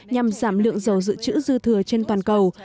nhằm giảm lượng dầu dự trữ dư thừa trên toàn cầu